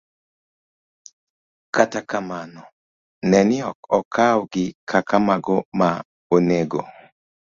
Kata kamano, ne ni ok okawgi kaka mago ma onego